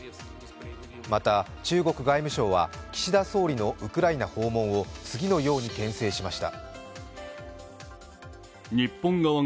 また、中国外務省は岸田総理のウクライナ訪問を次のようにけん制しました。